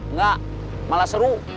nggak malah seru